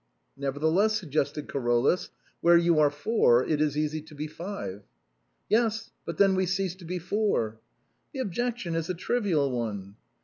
" Nevertheless," suggested Carolus, " where you are four it is easy to be five." " Yes, but then we cease to be four." " The objection is a trivial one."